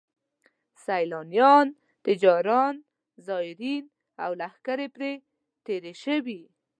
سیلانیان، تجاران، زایرین او لښکرې پرې تېر شوي.